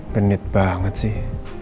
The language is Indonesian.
genit banget sih